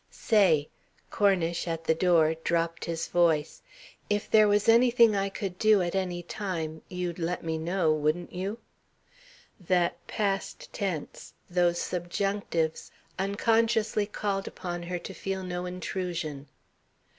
"Say!" Cornish, at the door, dropped his voice. "If there was anything I could do at any time, you'd let me know, wouldn't you?" That past tense, those subjunctives, unconsciously called upon her to feel no intrusion.